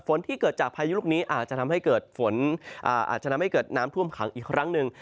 ฝนที่เกิดจากพายุลุกนี้อาจจะทำให้เกิดน้ำท่วมขังอีกครั้งหนึ่ง